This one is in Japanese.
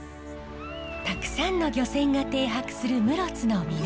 たくさんの漁船が停泊する室津の港。